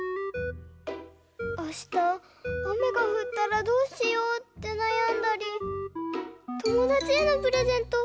あしたあめがふったらどうしようってなやんだりともだちへのプレゼント